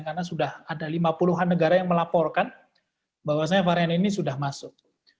karena sudah ada lima puluhan negara yang melaporkan bahwa varian ini sudah masuk